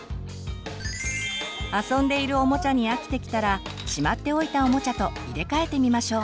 遊んでいるおもちゃに飽きてきたらしまっておいたおもちゃと入れ替えてみましょう。